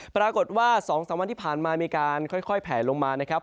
ปรากฏว่า๒๓วันที่ผ่านมามีการค่อยแผลลงมานะครับ